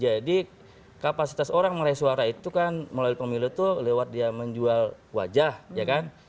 jadi kapasitas orang meraih suara itu kan melalui pemilu itu lewat dia menjual wajah ya kan